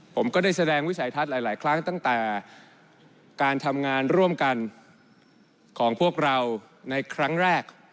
ผมก็ได้แสดงวิสัยทัศน์หลายครั้งตั้งแต่การทำงานร่วมกันของพวกเราในครั้งแรก